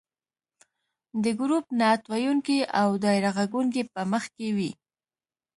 د ګروپ نعت ویونکي او دایره غږونکې به مخکې وي.